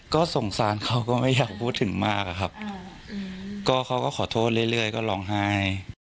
ก็สงสารเขาก็ไม่อยากพูดถึงมากอะครับก็เขาก็ขอโทษเรื่อยก็ร้องไห้